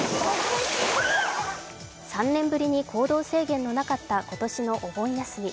３年ぶりに行動制限のなかった今年のお盆休み。